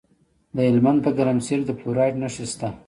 د هلمند په ګرمسیر کې د فلورایټ نښې شته.